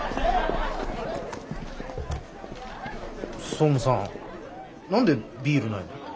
総務さん何でビールないの？